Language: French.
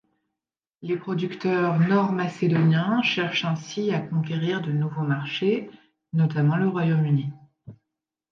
Les producteurs nord-macédoniens cherchent ainsi à conquérir de nouveaux marchés, notamment le Royaume-Uni.